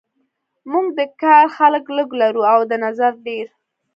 موږ د کار خلک لږ لرو او د نظر ډیر